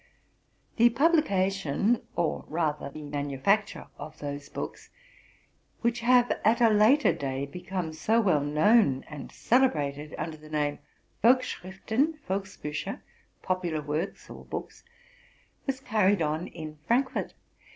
The publication, or rather the manufacture, of those books, which have at a later day become so well known and cele brated under the name Volkschriften, Volksbiieher (popular works or books), was carried on in Frankfort.